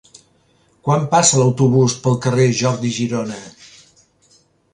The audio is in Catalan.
Quan passa l'autobús pel carrer Jordi Girona?